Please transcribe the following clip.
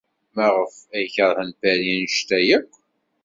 Maɣef ay keṛhen Paris anect-a akk?